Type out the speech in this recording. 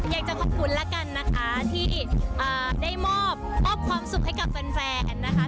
อยากจะขอบคุณแล้วกันนะคะที่ได้มอบมอบความสุขให้กับแฟนนะคะ